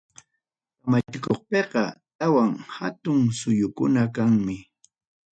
Kamachikuqpiqa tawa hatun suyukuna kanmi.